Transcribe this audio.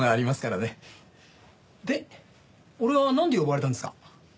で俺はなんで呼ばれたんですか？